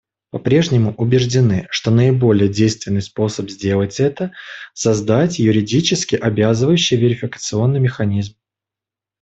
По-прежнему убеждены, что наиболее действенный способ сделать это — создать юридически обязывающий верификационный механизм.